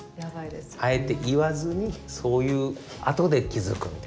あえて言わずにそういうあとで気付くみたいな。